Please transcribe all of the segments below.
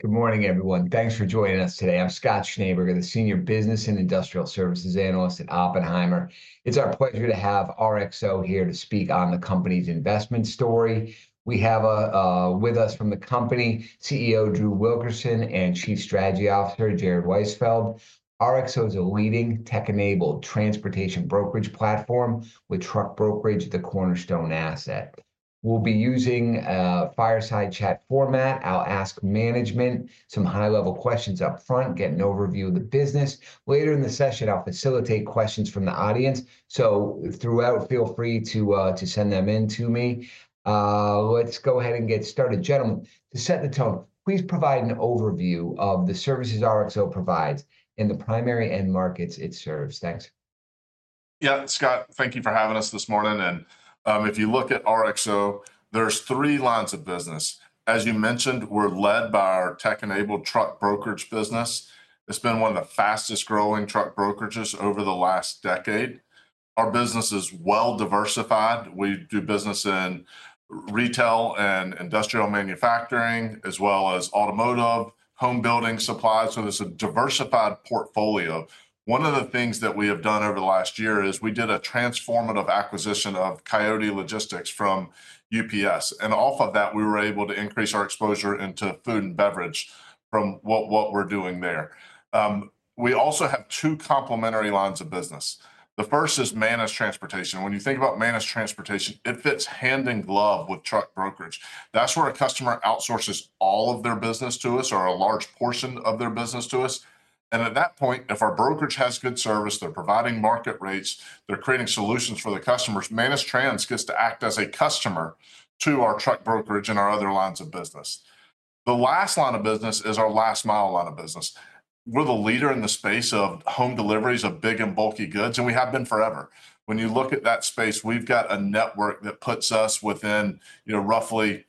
Good morning, everyone. Thanks for joining us today. I'm Scott Schnaber, the Senior Business and Industrial Services Analyst at Oppenheimer. It's our pleasure to have RXO here to speak on the company's investment story. We have with us from the company, CEO Drew Wilkerson and Chief Strategy Officer Jared Weisfeld. RXO is a leading tech-enabled transportation brokerage platform with truck brokerage at the cornerstone asset. We'll be using a fireside chat format. I'll ask management some high-level questions upfront, get an overview of the business. Later in the session, I'll facilitate questions from the audience. Throughout, feel free to send them in to me. Let's go ahead and get started. Gentlemen, to set the tone, please provide an overview of the services RXO provides in the primary end markets it serves. Thanks. Yeah, Scott, thank you for having us this morning. If you look at RXO, there are three lines of business. As you mentioned, we are led by our tech-enabled truck brokerage business. It has been one of the fastest growing truck brokerages over the last decade. Our business is well diversified. We do business in retail and industrial manufacturing, as well as automotive and home building supplies. There is a diversified portfolio. One of the things that we have done over the last year is we did a transformative acquisition of Coyote Logistics from UPS. Off of that, we were able to increase our exposure into food and beverage from what we are doing there. We also have two complementary lines of business. The first is managed transportation. When you think about managed transportation, it fits hand in glove with truck brokerage. That's where a customer outsources all of their business to us or a large portion of their business to us. At that point, if our brokerage has good service, they're providing market rates, they're creating solutions for the customers, managed trans gets to act as a customer to our truck brokerage and our other lines of business. The last line of business is our last mile line of business. We're the leader in the space of home deliveries of big and bulky goods, and we have been forever. When you look at that space, we've got a network that puts us within roughly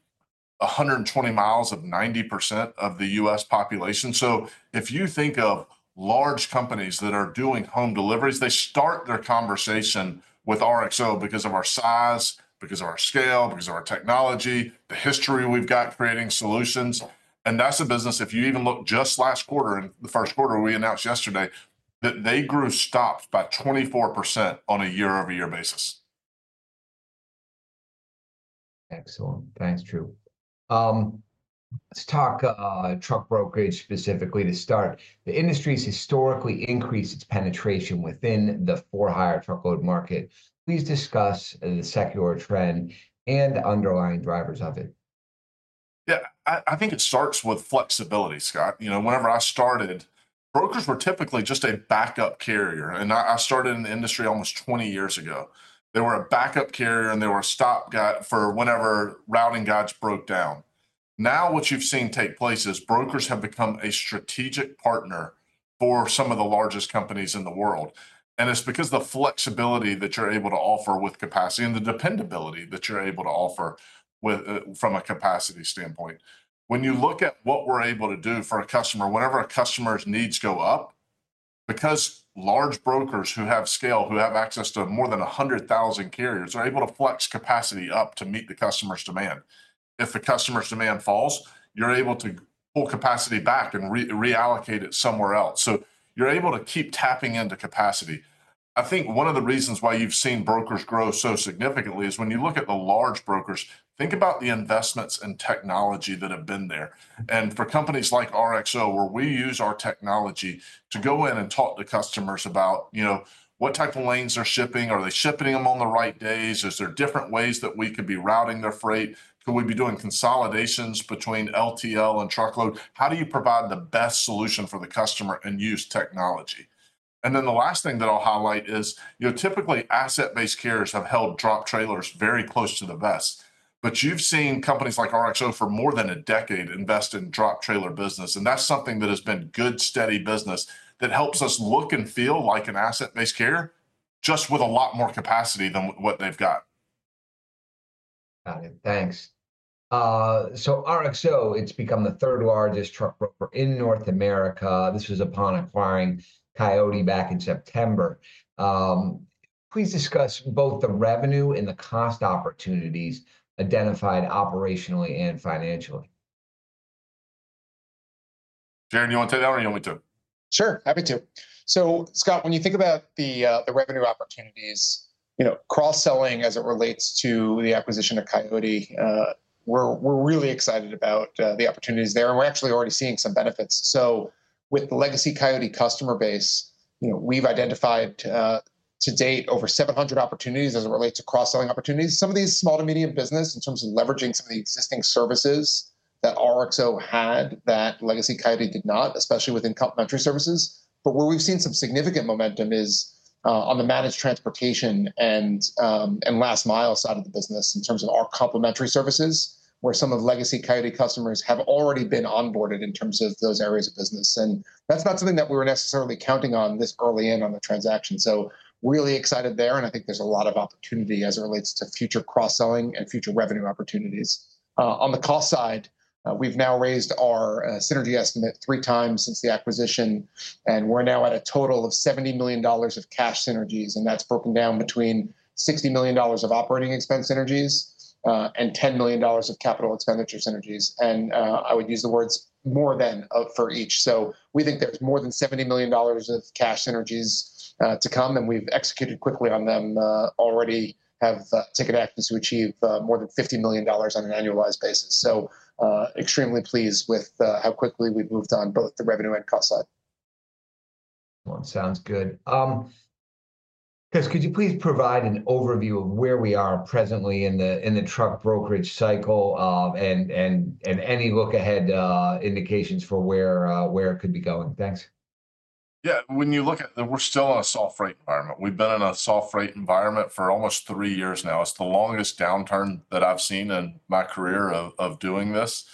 120 mi of 9`0% of the U.S. population. If you think of large companies that are doing home deliveries, they start their conversation with RXO because of our size, because of our scale, because of our technology, the history we've got creating solutions. That's a business, if you even look just last quarter, in the first quarter we announced yesterday, that they grew stocks by 24% on a year-over-year basis. Excellent. Thanks, Drew. Let's talk truck brokerage specifically to start. The industry has historically increased its penetration within the for-hire truckload market. Please discuss the secular trend and the underlying drivers of it. Yeah, I think it starts with flexibility, Scott. Whenever I started, brokers were typically just a backup carrier. I started in the industry almost 20 years ago. They were a backup carrier, and they were a stop gap for whenever routing guides broke down. Now what you've seen take place is brokers have become a strategic partner for some of the largest companies in the world. It is because of the flexibility that you're able to offer with capacity and the dependability that you're able to offer from a capacity standpoint. When you look at what we're able to do for a customer, whenever a customer's needs go up, because large brokers who have scale, who have access to more than 100,000 carriers, are able to flex capacity up to meet the customer's demand. If the customer's demand falls, you're able to pull capacity back and reallocate it somewhere else. You're able to keep tapping into capacity. I think one of the reasons why you've seen brokers grow so significantly is when you look at the large brokers, think about the investments in technology that have been there. For companies like RXO, where we use our technology to go in and talk to customers about what type of lanes they're shipping, are they shipping them on the right days, is there different ways that we could be routing their freight, could we be doing consolidations between LTL and truckload, how do you provide the best solution for the customer and use technology? The last thing that I'll highlight is typically asset-based carriers have held drop trailers very close to the vest. You've seen companies like RXO for more than a decade invest in drop trailer business. That's something that has been good, steady business that helps us look and feel like an asset-based carrier just with a lot more capacity than what they've got. Got it. Thanks. RXO, it's become the third largest truck broker in North America. This was upon acquiring Coyote back in September. Please discuss both the revenue and the cost opportunities identified operationally and financially. Jared, do you want to take that one or do you want me to? Sure, happy to. Scott, when you think about the revenue opportunities, cross-selling as it relates to the acquisition of Coyote, we're really excited about the opportunities there. We're actually already seeing some benefits. With the legacy Coyote customer base, we've identified to date over 700 opportunities as it relates to cross-selling opportunities. Some of these are small to medium business in terms of leveraging some of the existing services that RXO had that legacy Coyote did not, especially within complementary services. Where we've seen some significant momentum is on the managed transportation and last mile side of the business in terms of our complementary services, where some of legacy Coyote customers have already been onboarded in terms of those areas of business. That's not something that we were necessarily counting on this early in on the transaction. Really excited there. I think there's a lot of opportunity as it relates to future cross-selling and future revenue opportunities. On the cost side, we've now raised our synergy estimate three times since the acquisition. We're now at a total of $70 million of cash synergies. That's broken down between $60 million of operating expense synergies and $10 million of capital expenditure synergies. I would use the words more than for each. We think there's more than $70 million of cash synergies to come. We've executed quickly on them already, have taken actions to achieve more than $50 million on an annualized basis. Extremely pleased with how quickly we've moved on both the revenue and cost side. Sounds good. Chris, could you please provide an overview of where we are presently in the truck brokerage cycle and any look ahead indications for where it could be going? Thanks. Yeah, when you look at it, we're still in a soft freight environment. We've been in a soft freight environment for almost three years now. It's the longest downturn that I've seen in my career of doing this.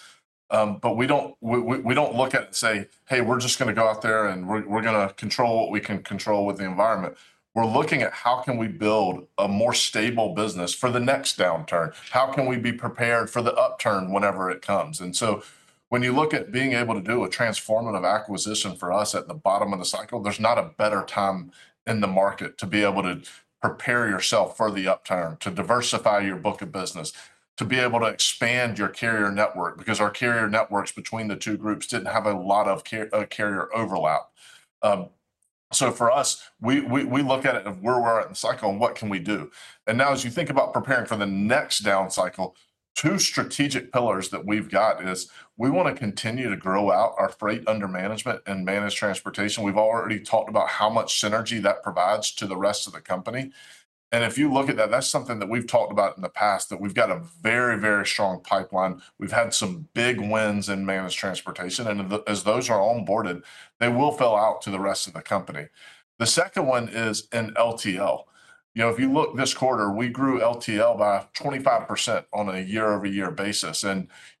We don't look at it and say, "Hey, we're just going to go out there and we're going to control what we can control with the environment." We're looking at how can we build a more stable business for the next downturn? How can we be prepared for the upturn whenever it comes? When you look at being able to do a transformative acquisition for us at the bottom of the cycle, there's not a better time in the market to be able to prepare yourself for the upturn, to diversify your book of business, to be able to expand your carrier network, because our carrier networks between the two groups did not have a lot of carrier overlap. For us, we look at it as where we are at in the cycle and what we can do. Now as you think about preparing for the next down cycle, two strategic pillars that we have are we want to continue to grow out our freight under management and managed transportation. We have already talked about how much synergy that provides to the rest of the company. If you look at that, that's something that we've talked about in the past, that we've got a very, very strong pipeline. We've had some big wins in managed transportation. As those are onboarded, they will fill out to the rest of the company. The second one is in LTL. If you look this quarter, we grew LTL by 25% on a year-over-year basis.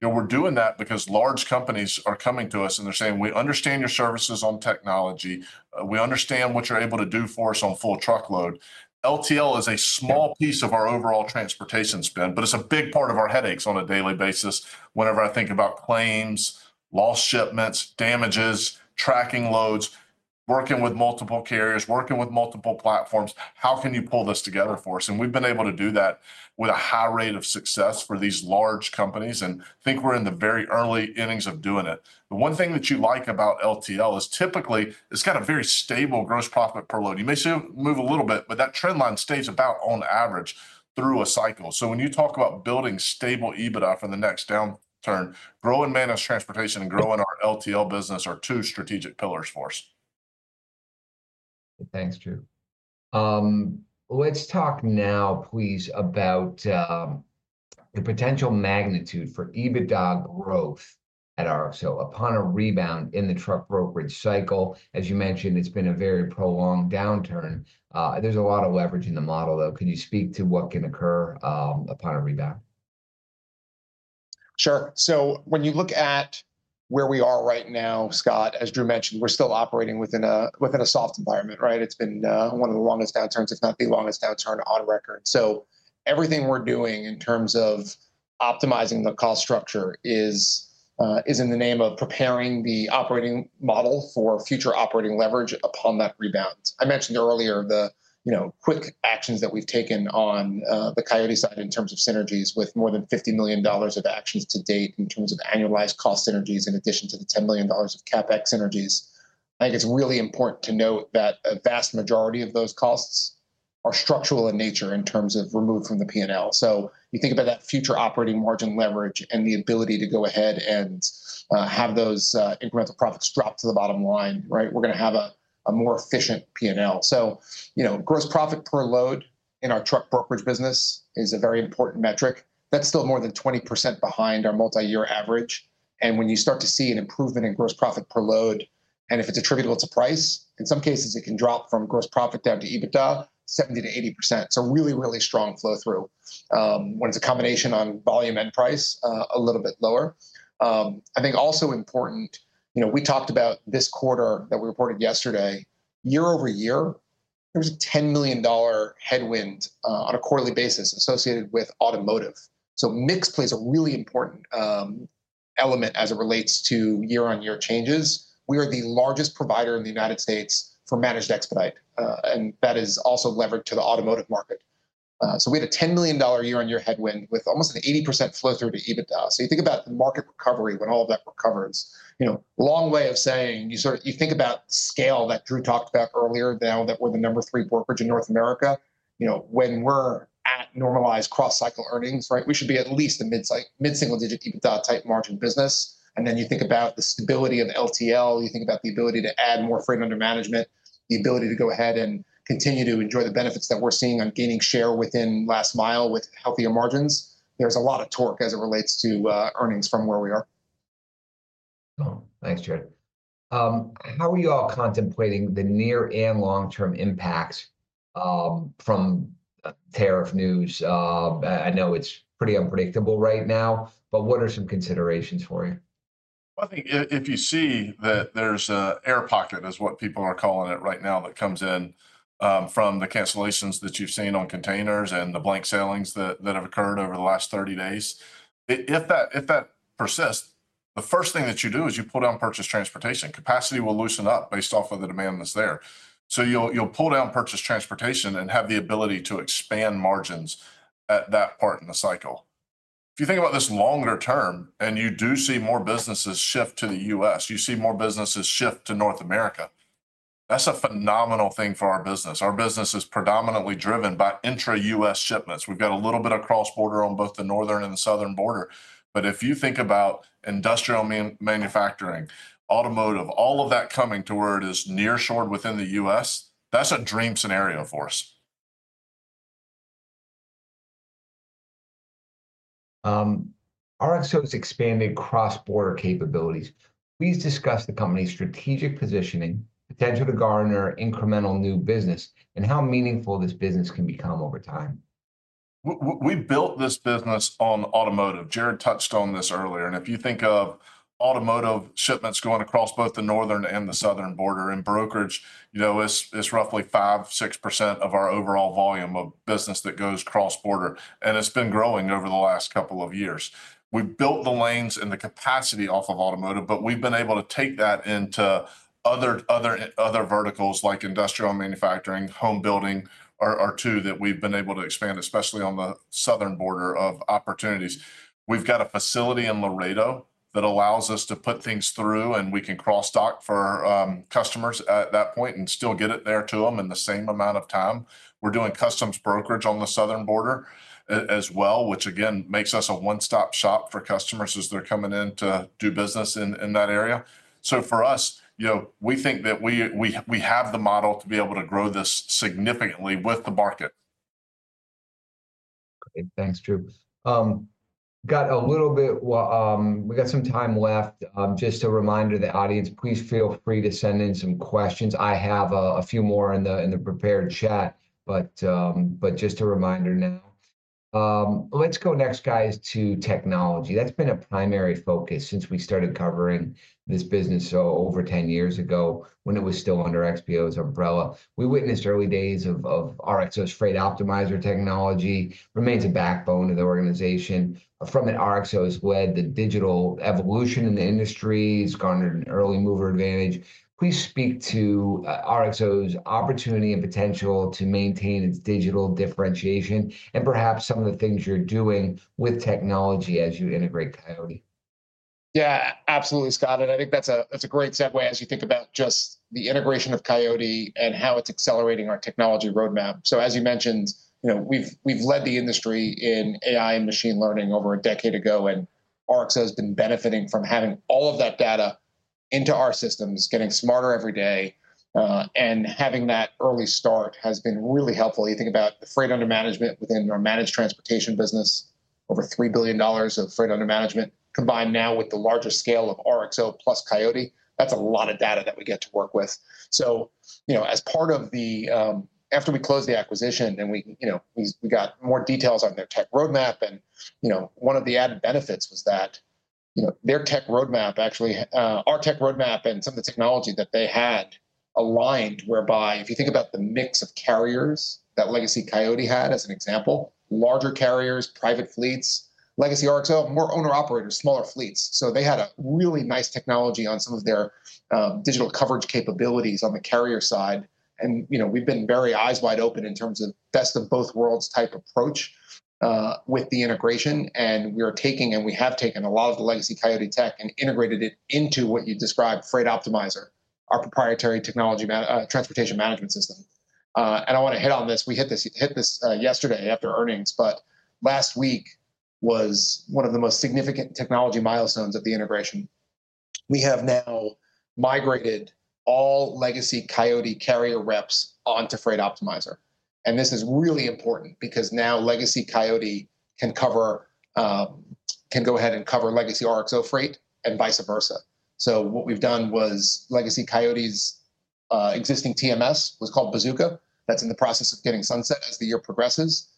We're doing that because large companies are coming to us and they're saying, "We understand your services on technology. We understand what you're able to do for us on full truckload." LTL is a small piece of our overall transportation spend, but it's a big part of our headaches on a daily basis whenever I think about claims, lost shipments, damages, tracking loads, working with multiple carriers, working with multiple platforms. How can you pull this together for us? We've been able to do that with a high rate of success for these large companies. I think we're in the very early innings of doing it. The one thing that you like about LTL is typically it's got a very stable gross profit per load. You may see it move a little bit, but that trend line stays about on average through a cycle. When you talk about building stable EBITDA for the next downturn, growing managed transportation and growing our LTL business are two strategic pillars for us. Thanks, Drew. Let's talk now, please, about the potential magnitude for EBITDA growth at RXO upon a rebound in the truck brokerage cycle. As you mentioned, it's been a very prolonged downturn. There's a lot of leverage in the model, though. Can you speak to what can occur upon a rebound? Sure. When you look at where we are right now, Scott, as Drew mentioned, we're still operating within a soft environment, right? It's been one of the longest downturns, if not the longest downturn on record. Everything we're doing in terms of optimizing the cost structure is in the name of preparing the operating model for future operating leverage upon that rebound. I mentioned earlier the quick actions that we've taken on the Coyote side in terms of synergies with more than $50 million of actions to date in terms of annualized cost synergies in addition to the $10 million of CapEx synergies. I think it's really important to note that a vast majority of those costs are structural in nature in terms of removed from the P&L. You think about that future operating margin leverage and the ability to go ahead and have those incremental profits drop to the bottom line, right? We're going to have a more efficient P&L. Gross profit per load in our truck brokerage business is a very important metric. That's still more than 20% behind our multi-year average. When you start to see an improvement in gross profit per load, and if it's attributable to price, in some cases, it can drop from gross profit down to EBITDA 70%-80%. Really, really strong flow through. When it's a combination on volume and price, a little bit lower. I think also important, we talked about this quarter that we reported yesterday, year-over-year, there was a $10 million headwind on a quarterly basis associated with automotive. Mix plays a really important element as it relates to year-on-year changes. We are the largest provider in the United States for managed expedite, and that is also levered to the automotive market. We had a $10 million year-on-year headwind with almost an 80% flow through to EBITDA. You think about the market recovery when all of that recovers. Long way of saying, you think about scale that Drew talked about earlier now that we are the number three brokerage in North America. When we are at normalized cross-cycle earnings, right, we should be at least a mid-single digit EBITDA type margin business. You think about the stability of LTL. You think about the ability to add more freight under management, the ability to go ahead and continue to enjoy the benefits that we are seeing on gaining share within last mile with healthier margins. There's a lot of torque as it relates to earnings from where we are. Thanks, Jared. How are you all contemplating the near and long-term impacts from tariff news? I know it's pretty unpredictable right now, but what are some considerations for you? I think if you see that there's air pocket, is what people are calling it right now, that comes in from the cancellations that you've seen on containers and the blank sailings that have occurred over the last 30 days, if that persists, the first thing that you do is you pull down purchased transportation. Capacity will loosen up based off of the demand that's there. You pull down purchased transportation and have the ability to expand margins at that part in the cycle. If you think about this longer term and you do see more businesses shift to the U.S., you see more businesses shift to North America, that's a phenomenal thing for our business. Our business is predominantly driven by intra-U.S. shipments. We've got a little bit of cross-border on both the northern and the southern border. If you think about industrial manufacturing, automotive, all of that coming to where it is near shore within the U.S., that's a dream scenario for us. RXO has expanded cross-border capabilities. Please discuss the company's strategic positioning, potential to garner incremental new business, and how meaningful this business can become over time. We built this business on automotive. Jared touched on this earlier. If you think of automotive shipments going across both the northern and the southern border in brokerage, it's roughly 5%-6% of our overall volume of business that goes cross-border. It's been growing over the last couple of years. We've built the lanes and the capacity off of automotive, but we've been able to take that into other verticals like industrial manufacturing and home building are two that we've been able to expand, especially on the southern border of opportunities. We've got a facility in Laredo that allows us to put things through, and we can cross-dock for customers at that point and still get it there to them in the same amount of time. We're doing customs brokerage on the southern border as well, which again makes us a one-stop shop for customers as they're coming in to do business in that area. For us, we think that we have the model to be able to grow this significantly with the market. Thanks, Drew. Got a little bit, we got some time left. Just a reminder to the audience, please feel free to send in some questions. I have a few more in the prepared chat, but just a reminder now. Let's go next, guys, to technology. That's been a primary focus since we started covering this business over 10 years ago when it was still under XPO's umbrella. We witnessed early days of RXO's Freight Optimizer technology. It remains a backbone of the organization. From an RXO's led, the digital evolution in the industry has garnered an early mover advantage. Please speak to RXO's opportunity and potential to maintain its digital differentiation and perhaps some of the things you're doing with technology as you integrate Coyote. Yeah, absolutely, Scott. I think that's a great segue as you think about just the integration of Coyote and how it's accelerating our technology roadmap. As you mentioned, we've led the industry in AI and machine learning over a decade ago. RXO has been benefiting from having all of that data into our systems, getting smarter every day. Having that early start has been really helpful. You think about the freight under management within our managed transportation business, over $3 billion of freight under management combined now with the larger scale of RXO plus Coyote. That's a lot of data that we get to work with. As part of the after we closed the acquisition and we got more details on their tech roadmap, and one of the added benefits was that their tech roadmap, actually our tech roadmap and some of the technology that they had aligned, whereby if you think about the mix of carriers that legacy Coyote had as an example, larger carriers, private fleets, legacy RXO, more owner-operators, smaller fleets. They had a really nice technology on some of their digital coverage capabilities on the carrier side. We have been very eyes wide open in terms of best of both worlds type approach with the integration. We are taking and we have taken a lot of the legacy Coyote tech and integrated it into what you described, Freight Optimizer, our proprietary technology transportation management system. I want to hit on this. We hit this yesterday after earnings, but last week was one of the most significant technology milestones of the integration. We have now migrated all legacy Coyote carrier reps onto Freight Optimizer. This is really important because now legacy Coyote can go ahead and cover legacy RXO freight and vice versa. What we have done was legacy Coyote's existing TMS was called Bazooka. That is in the process of getting sunset as the year progresses.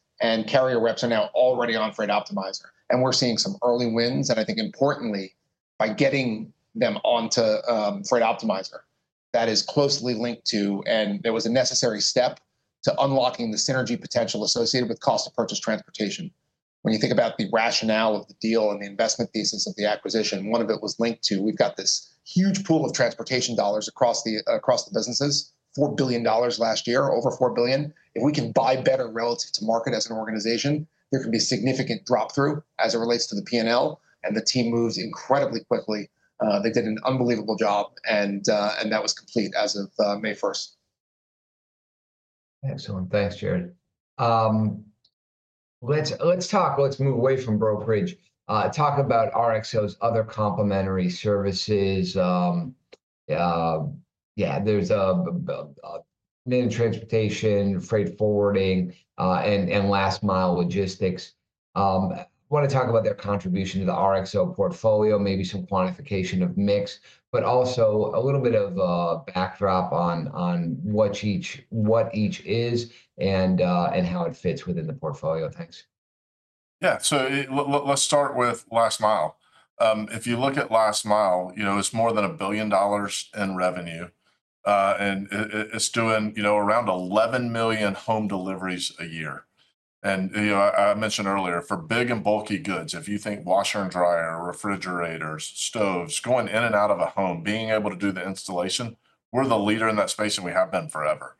Carrier reps are now already on Freight Optimizer. We are seeing some early wins. I think importantly, by getting them onto Freight Optimizer, that is closely linked to, and there was a necessary step to unlocking the synergy potential associated with cost of purchase transportation. When you think about the rationale of the deal and the investment thesis of the acquisition, one of it was linked to we've got this huge pool of transportation dollars across the businesses, $4 billion last year, over $4 billion. If we can buy better relative to market as an organization, there can be significant drop-through as it relates to the P&L. The team moves incredibly quickly. They did an unbelievable job. That was complete as of May 1st. Excellent. Thanks, Jared. Let's talk. Let's move away from brokerage. Talk about RXO's other complementary services. Yeah, there's managed transportation, freight forwarding, and last mile logistics. I want to talk about their contribution to the RXO portfolio, maybe some quantification of mix, but also a little bit of backdrop on what each is and how it fits within the portfolio. Thanks. Yeah. Let's start with last mile. If you look at last mile, it's more than $1 billion in revenue. It's doing around 11 million home deliveries a year. I mentioned earlier, for big and bulky goods, if you think washer and dryer, refrigerators, stoves, going in and out of a home, being able to do the installation, we're the leader in that space, and we have been forever.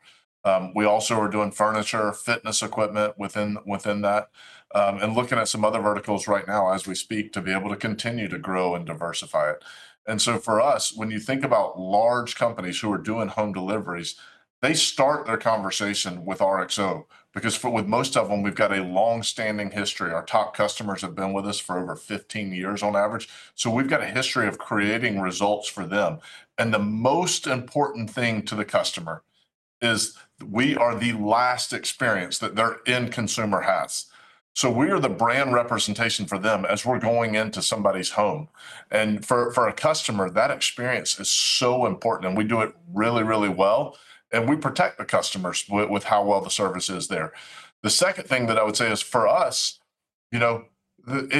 We also are doing furniture, fitness equipment within that, and looking at some other verticals right now as we speak to be able to continue to grow and diversify it. For us, when you think about large companies who are doing home deliveries, they start their conversation with RXO because with most of them, we've got a long-standing history. Our top customers have been with us for over 15 years on average. We have a history of creating results for them. The most important thing to the customer is we are the last experience that their end consumer has. We are the brand representation for them as we are going into somebody's home. For a customer, that experience is so important. We do it really, really well. We protect the customers with how well the service is there. The second thing that I would say is for us, when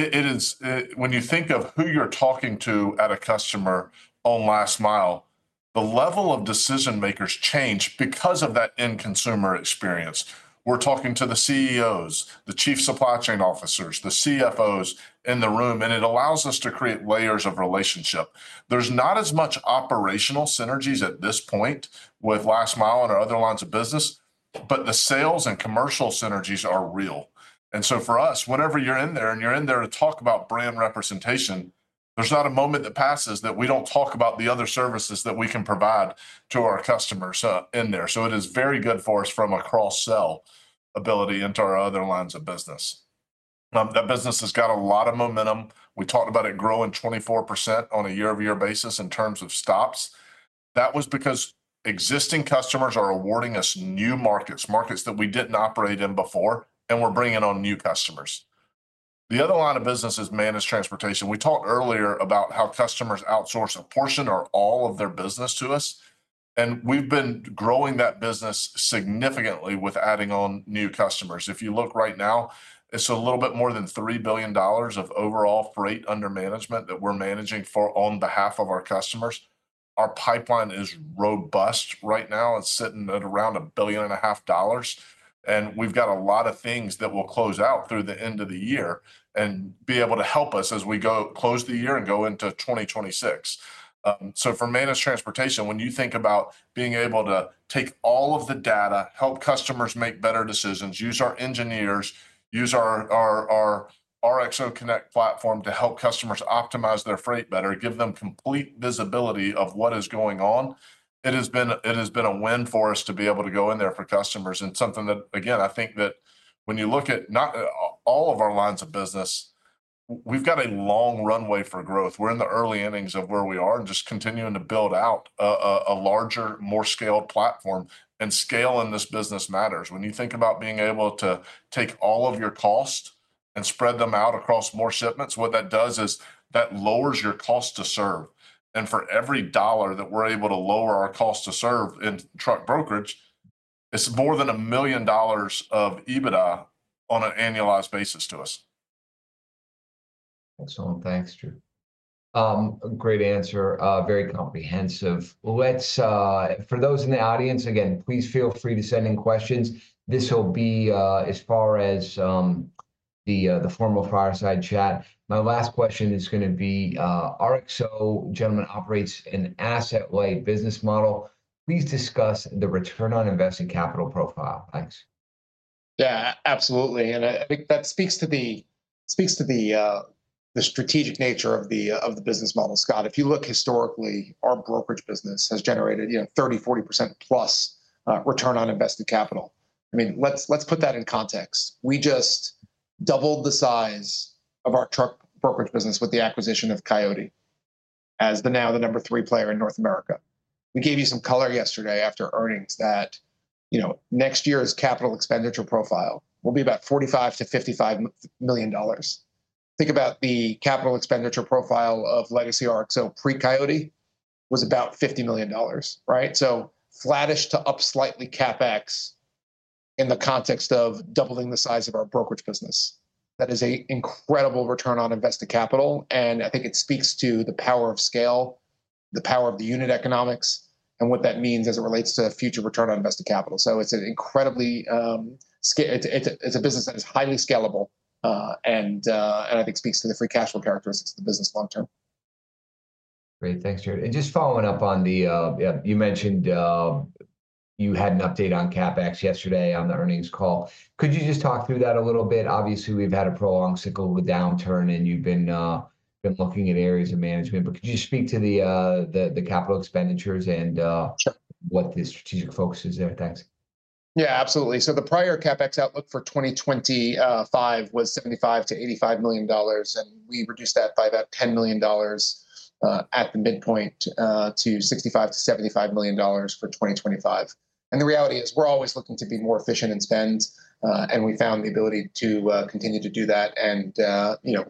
you think of who you are talking to at a customer on last mile, the level of decision makers change because of that end consumer experience. We are talking to the CEOs, the chief supply chain officers, the CFOs in the room. It allows us to create layers of relationship. There's not as much operational synergies at this point with last mile and our other lines of business, but the sales and commercial synergies are real. For us, whenever you're in there and you're in there to talk about brand representation, there's not a moment that passes that we don't talk about the other services that we can provide to our customers in there. It is very good for us from a cross-sell ability into our other lines of business. That business has got a lot of momentum. We talked about it growing 24% on a year-over-year basis in terms of stops. That was because existing customers are awarding us new markets, markets that we did not operate in before, and we're bringing on new customers. The other line of business is managed transportation. We talked earlier about how customers outsource a portion or all of their business to us. We have been growing that business significantly with adding on new customers. If you look right now, it is a little bit more than $3 billion of overall freight under management that we are managing on behalf of our customers. Our pipeline is robust right now. It is sitting at around $1.5 billion. We have got a lot of things that will close out through the end of the year and be able to help us as we close the year and go into 2026. For managed transportation, when you think about being able to take all of the data, help customers make better decisions, use our engineers, use our RXO Connect platform to help customers optimize their freight better, give them complete visibility of what is going on, it has been a win for us to be able to go in there for customers. Something that, again, I think that when you look at all of our lines of business, we have got a long runway for growth. We are in the early innings of where we are and just continuing to build out a larger, more scaled platform. Scale in this business matters. When you think about being able to take all of your costs and spread them out across more shipments, what that does is that lowers your cost to serve. For every dollar that we're able to lower our cost to serve in truck brokerage, it's more than $1 million of EBITDA on an annualized basis to us. Excellent. Thanks, Drew. Great answer. Very comprehensive. For those in the audience, again, please feel free to send in questions. This will be as far as the formal fireside chat. My last question is going to be RXO, gentlemen, operates an asset-weighted business model. Please discuss the return on invested capital profile. Thanks. Yeah, absolutely. I think that speaks to the strategic nature of the business model. Scott, if you look historically, our brokerage business has generated 30%-40%+ return on invested capital. I mean, let's put that in context. We just doubled the size of our truck brokerage business with the acquisition of Coyote as now the number three player in North America. We gave you some color yesterday after earnings that next year's capital expenditure profile will be about $45 million-$55 million. Think about the capital expenditure profile of legacy RXO. Pre-Coyote was about $50 million, right? Flattish to up slightly CapEx in the context of doubling the size of our brokerage business. That is an incredible return on invested capital. I think it speaks to the power of scale, the power of the unit economics, and what that means as it relates to future return on invested capital. It is a business that is highly scalable and I think speaks to the free cash flow characteristics of the business long term. Great. Thanks, Jared. Just following up, you mentioned you had an update on CapEx yesterday on the earnings call. Could you just talk through that a little bit? Obviously, we've had a prolonged cycle with downturn, and you've been looking at areas of management. Could you speak to the capital expenditures and what the strategic focus is there? Thanks. Yeah, absolutely. The prior CapEx outlook for 2025 was $75 million-85 million. We reduced that by about $10 million at the midpoint to $65 million-75 million for 2025. The reality is we're always looking to be more efficient in spend. We found the ability to continue to do that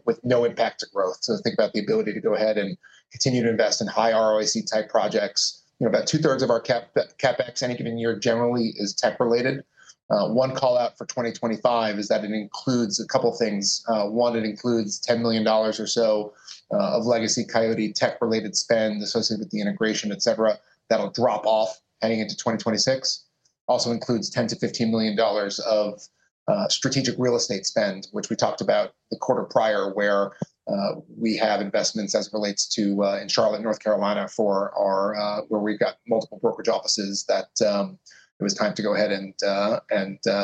with no impact to growth. Think about the ability to go ahead and continue to invest in high ROIC type projects. About two-thirds of our CapEx any given year generally is tech-related. One callout for 2025 is that it includes a couple of things. One, it includes $10 million or so of legacy Coyote tech-related spend associated with the integration, etc., that'll drop off heading into 2026. Also includes $10 million-$15 million of strategic real estate spend, which we talked about the quarter prior where we have investments as it relates to in Charlotte, North Carolina, where we've got multiple brokerage offices that it was time to go ahead and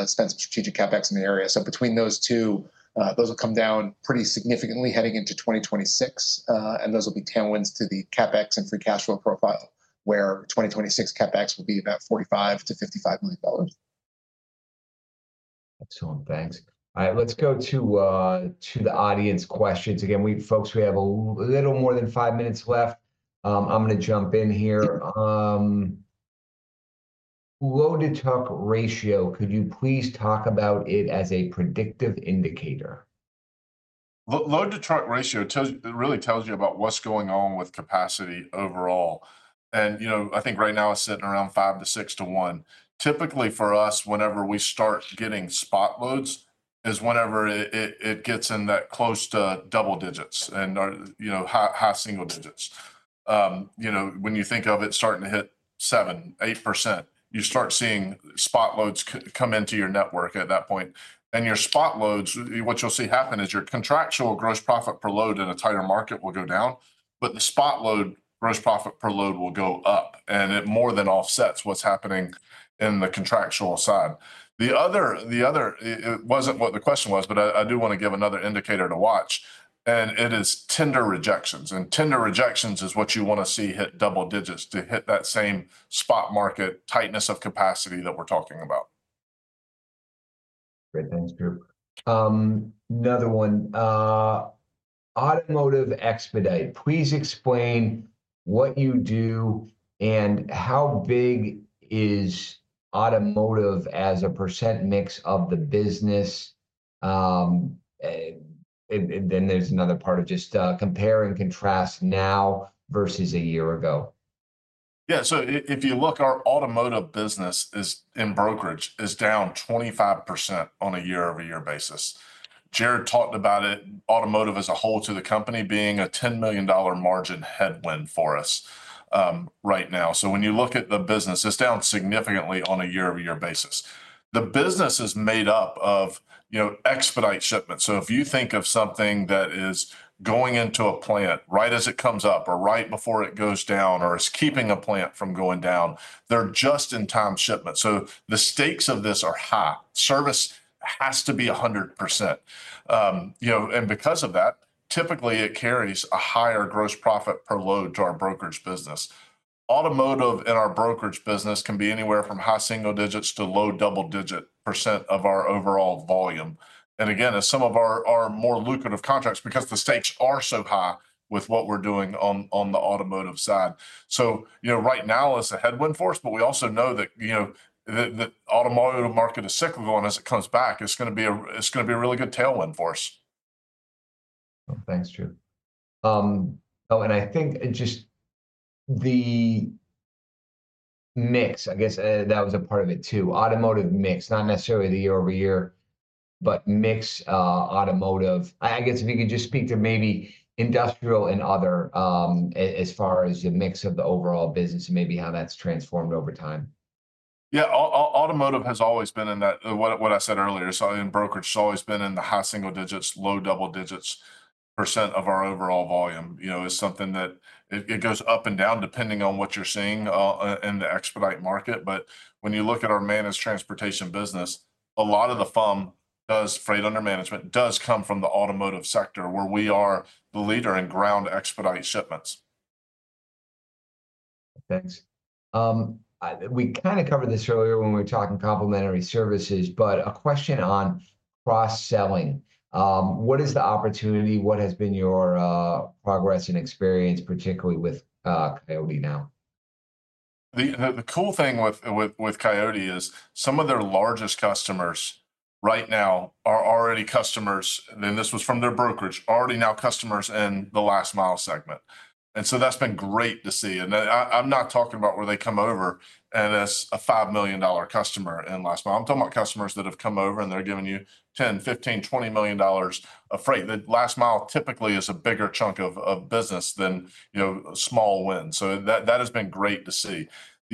spend some strategic CapEx in the area. Between those two, those will come down pretty significantly heading into 2026. Those will be tailwinds to the CapEx and free cash flow profile where 2026 CapEx will be about $45 million-$55 million. Excellent. Thanks. All right. Let's go to the audience questions. Again, folks, we have a little more than five minutes left. I'm going to jump in here. Load-to-truck ratio, could you please talk about it as a predictive indicator? Load-to-truck ratio really tells you about what's going on with capacity overall. I think right now it's sitting around 5-6 to 1. Typically, for us, whenever we start getting spot loads is whenever it gets in that close to double digits and high single digits. When you think of it starting to hit 7%-8%, you start seeing spot loads come into your network at that point. Your spot loads, what you'll see happen is your contractual gross profit per load in a tighter market will go down, but the spot load gross profit per load will go up. It more than offsets what's happening in the contractual side. The other, it wasn't what the question was, but I do want to give another indicator to watch. It is tender rejections. Tender rejections is what you want to see hit double digits to hit that same spot market tightness of capacity that we're talking about. Great. Thanks, Drew. Another one. Automotive expedite. Please explain what you do and how big is automotive as a percent mix of the business. Then there is another part of just compare and contrast now versus a year ago. Yeah. If you look, our automotive business in brokerage is down 25% on a year-over-year basis. Jared talked about it, automotive as a whole to the company being a $10 million margin headwind for us right now. If you look at the business, it is down significantly on a year-over-year basis. The business is made up of expedite shipments. If you think of something that is going into a plant right as it comes up or right before it goes down or is keeping a plant from going down, they are just-in-time shipments. The stakes of this are high. Service has to be 100%. Because of that, typically, it carries a higher gross profit per load to our brokerage business. Automotive in our brokerage business can be anywhere from high single digits to low double-digit percent of our overall volume. As some of our more lucrative contracts, because the stakes are so high with what we're doing on the automotive side. Right now, it's a headwind for us, but we also know that the automotive market is cyclical, and as it comes back, it's going to be a really good tailwind for us. Thanks, Drew. Oh, and I think just the mix, I guess that was a part of it too. Automotive mix, not necessarily the year-over-year, but mix automotive. I guess if you could just speak to maybe industrial and other as far as the mix of the overall business and maybe how that's transformed over time. Yeah. Automotive has always been in that what I said earlier. In brokerage, it's always been in the high single digits, low double digits percent of our overall volume. It's something that goes up and down depending on what you're seeing in the expedite market. When you look at our managed transportation business, a lot of the FOM, freight under management, does come from the automotive sector where we are the leader in ground expedite shipments. Thanks. We kind of covered this earlier when we were talking complementary services, but a question on cross-selling. What is the opportunity? What has been your progress and experience, particularly with Coyote now? The cool thing with Coyote is some of their largest customers right now are already customers, and this was from their brokerage, already now customers in the last mile segment. That has been great to see. I'm not talking about where they come over as a $5 million customer in last mile. I'm talking about customers that have come over, and they're giving you $10 million, $15 million, $20 million of freight. The last mile typically is a bigger chunk of business than a small win. That has been great to see.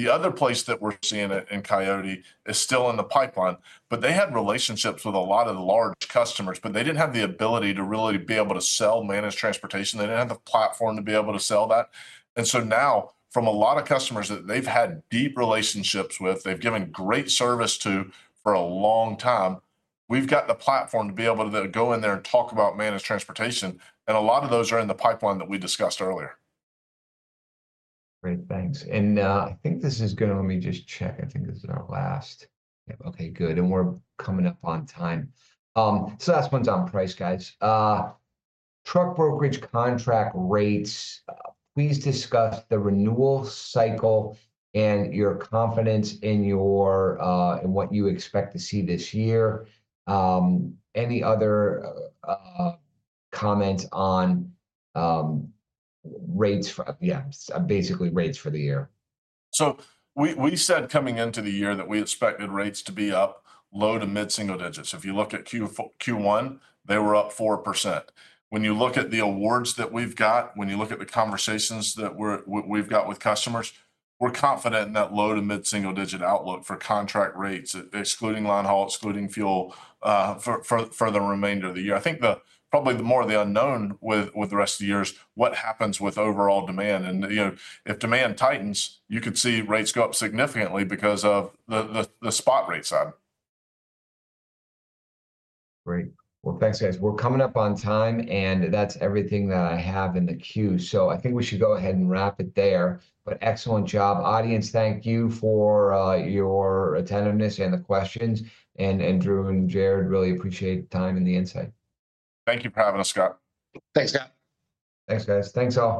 The other place that we're seeing it in Coyote is still in the pipeline, but they had relationships with a lot of the large customers, but they didn't have the ability to really be able to sell managed transportation. They didn't have the platform to be able to sell that. Now, from a lot of customers that they've had deep relationships with, they've given great service to for a long time, we've got the platform to be able to go in there and talk about managed transportation. A lot of those are in the pipeline that we discussed earlier. Great. Thanks. I think this is good. Let me just check. I think this is our last. Okay. Good. We're coming up on time. Last one's on price, guys. Truck brokerage contract rates. Please discuss the renewal cycle and your confidence in what you expect to see this year. Any other comments on rates, yeah, basically rates for the year? We said coming into the year that we expected rates to be up, low to mid single digits. If you look at Q1, they were up 4%. When you look at the awards that we've got, when you look at the conversations that we've got with customers, we're confident in that low to mid single digit outlook for contract rates, excluding line haul, excluding fuel for the remainder of the year. I think probably more of the unknown with the rest of the year is what happens with overall demand. If demand tightens, you could see rates go up significantly because of the spot rate side. Great. Thanks, guys. We're coming up on time, and that's everything that I have in the queue. I think we should go ahead and wrap it there. Excellent job. Audience, thank you for your attentiveness and the questions. Drew and Jared, really appreciate the time and the insight. Thank you for having us, Scott. Thanks, Scott. Thanks, guys. Thanks all.